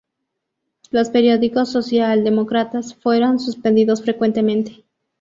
Los periódicos socialdemócratas fueron suspendidos frecuentemente.